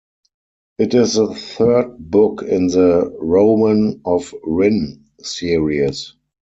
It is the third book in the "Rowan of Rin" series.